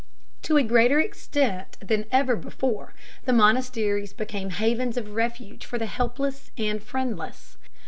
To a greater extent than ever before the monasteries became havens of refuge for the helpless and friendless.